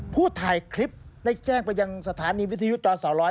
ถ่ายคลิปได้แจ้งไปยังสถานีวิทยุจรสร้อย